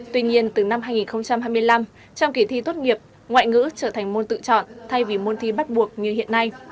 tuy nhiên từ năm hai nghìn hai mươi năm trong kỳ thi tốt nghiệp ngoại ngữ trở thành môn tự chọn thay vì môn thi bắt buộc như hiện nay